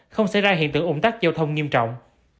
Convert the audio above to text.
không xảy ra hiện tượng ồn tắc giao thông nghiêm trọng